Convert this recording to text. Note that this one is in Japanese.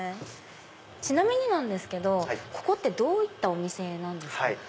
ちなみになんですけどここってどういったお店ですか？